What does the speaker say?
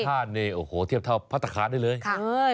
ชาติเน่โอ้โหเทียบเท่าพัฒนาคารได้เลย